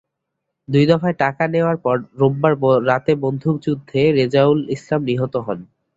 দুই দফায় টাকা নেওয়ার পর রোববার রাতে বন্দুকযুদ্ধে রেজাউল ইসলাম নিহত হন।